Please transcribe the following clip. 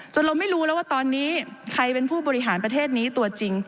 เราไม่รู้แล้วว่าตอนนี้ใครเป็นผู้บริหารประเทศนี้ตัวจริง